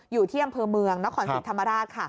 อยู่ที่อำเภอเมืองนครศรีธรรมราชค่ะ